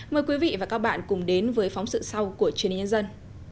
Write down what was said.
mời quý vị và các bạn cùng đến với phóng sự sau của trên nhân dân